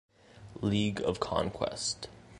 League of Conquest: